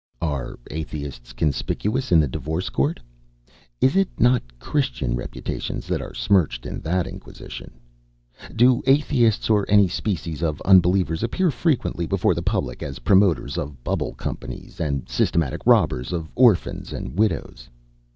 Are Atheists conspicuous in the Divorce Court? Is it not Christian reputations that are smirched in that Inquisition? Do Atheists, or any species of unbelievers, appear frequently before the public as promoters of bubble companies, and systematic robbers of orphans and widows?